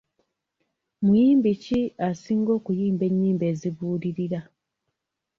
Muyimbi ki asinga okuyimba ennyimba ezibuulirira?